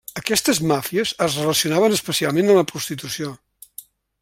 Aquestes màfies es relacionaven especialment amb la prostitució.